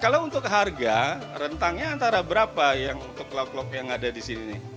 kalau untuk harga rentangnya antara berapa yang untuk lauk lauk yang ada disini